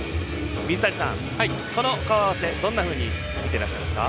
この顔合わせ、どんなふうに見てらっしゃいますか？